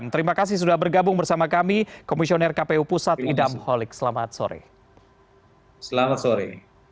terima kasih sudah bergabung bersama kami komisioner kpu pusat idam holik selamat sore